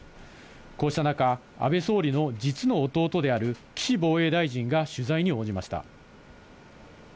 こうした中、安倍総理の実の弟である岸防衛大臣が取材に応じました。